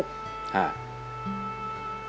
ครับ